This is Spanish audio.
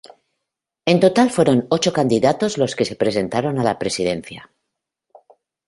En total fueron ocho candidatos los que se presentaron a la Presidencia.